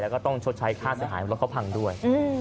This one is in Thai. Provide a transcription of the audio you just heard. แล้วก็ต้องชดใช้ข้างสายหายต่อเข้าพังด้วย